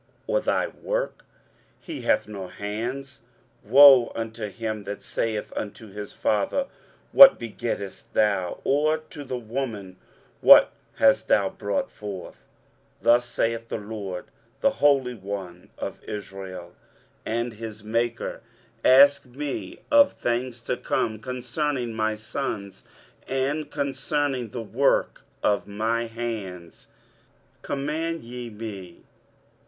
or thy work, He hath no hands? 23:045:010 Woe unto him that saith unto his father, What begettest thou? or to the woman, What hast thou brought forth? 23:045:011 Thus saith the LORD, the Holy One of Israel, and his Maker, Ask me of things to come concerning my sons, and concerning the work of my hands command ye me.